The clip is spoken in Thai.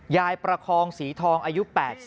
ยายประคองสีทองอายุ๘๐